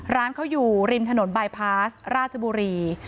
ร้านเขาอยู่ริมถนนบายพาสราชบุรี